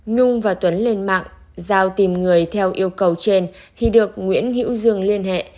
nhung và tuấn lên mạng giao tìm người theo yêu cầu trên thì được nguyễn hữu dương liên hệ